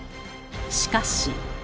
しかし。